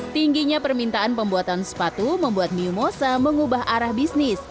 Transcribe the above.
tingginya permintaan pembuatan sepatu membuat miu mosa mengubah arah bisnis